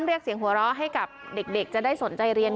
เรียกเสียงหัวเราะให้กับเด็กจะได้สนใจเรียน